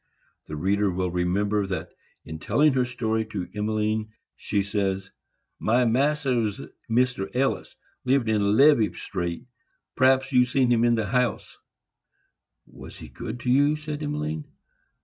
The reader will remember that, in telling her story to Emmeline, she says: "My Mas'r was Mr. Ellis,—lived on Levee street. P'raps you've seen the house." "Was he good to you?" said Emmeline.